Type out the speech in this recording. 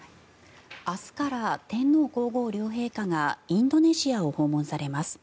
明日から、天皇・皇后両陛下がインドネシアを訪問されます。